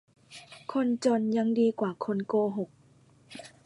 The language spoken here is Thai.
คนจนยังดีกว่าคนโกหก